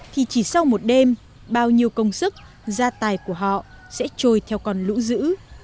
thì chỉ sau một đêm bao nhiêu công sức gia tài của họ sẽ trôi theo con lũ dữ